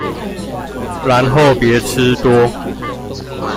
然後別吃多